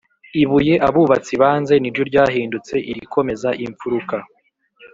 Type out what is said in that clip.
Ibuye abubaatsi banze, niryo ryahindutse irikomeza impfuruka